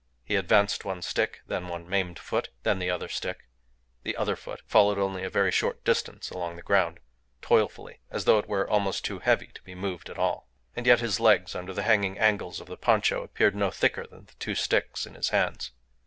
He advanced one stick, then one maimed foot, then the other stick; the other foot followed only a very short distance along the ground, toilfully, as though it were almost too heavy to be moved at all; and yet his legs under the hanging angles of the poncho appeared no thicker than the two sticks in his hands.